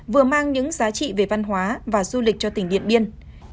vừa mang những giá trị về văn hóa và du lịch cho tỉnh điện biên